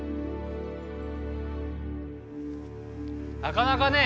なかなかね